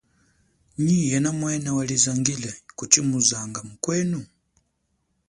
Nyi yena mwene walizangile, kuchi muzanga mukwenu?